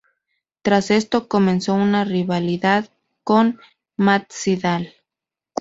Tras esto, comenzó una rivalidad con Matt Sydal.